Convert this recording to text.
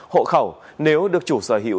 hộ khẩu nếu được chủ sở hữu